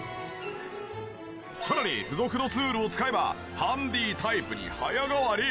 さらに付属のツールを使えばハンディタイプに早変わり！